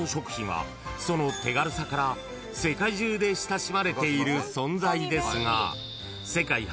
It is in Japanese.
［その手軽さから世界中で親しまれている存在ですが］